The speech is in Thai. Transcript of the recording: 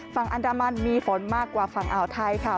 ฝั่งอันดามันมีฝนมากกว่าฝั่งอ่าวไทยค่ะ